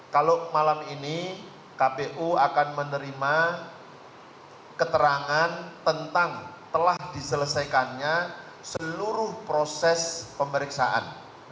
kalau malam ini kpu akan menerima keterangan tentang telah diselesaikannya seluruh proses pemeriksaan